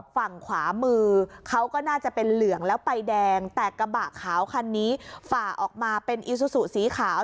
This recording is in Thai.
ฝั่งขวามือเขาก็น่าจะเป็นเหลืองแล้วไปแดงแต่กระบะขาวคันนี้ฝ่าออกมาเป็นอีซูซูสีขาว